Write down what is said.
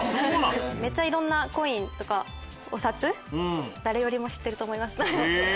いろんなコインとかお札誰よりも知ってると思います。